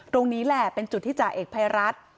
ตรงนี้แหละเป็นจุดที่จ่าเอกภัยรัฐ